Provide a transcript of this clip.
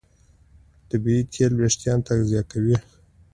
طبیعي تېل وېښتيان تغذیه کوي.